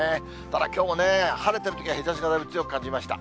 ただ、きょうね、晴れてるとき、日ざしがだいぶ強く感じました。